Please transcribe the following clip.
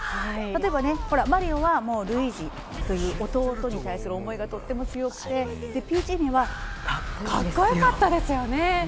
例えばマリオは、ルイージという弟に対する思いがとても強くて、ピーチ姫はかっこよかったですよね。